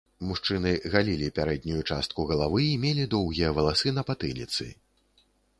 Мужчыны галілі пярэднюю частку галавы і мелі доўгія валасы на патыліцы.